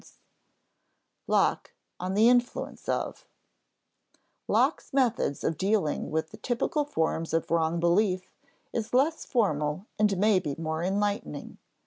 [Sidenote: Locke on the influence of] Locke's method of dealing with typical forms of wrong belief is less formal and may be more enlightening.